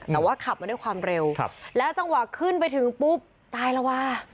แต่ว่าขับมาด้วยความเร็วแล้วจังหวะขึ้นไปถึงปุ๊บตายแล้วว่ะ